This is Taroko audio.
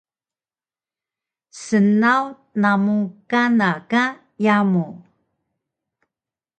snaw namu kana ka yamu